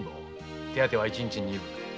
お手当ては一日二分。